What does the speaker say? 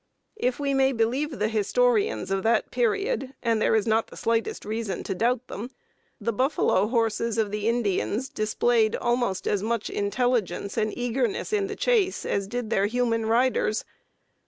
If we may believe the historians of that period, and there is not the slightest reason to doubt them, the "buffalo horses" of the Indians displayed almost as much intelligence and eagerness in the chase as did their human riders.